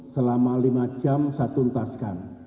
selama lima jam satu entaskan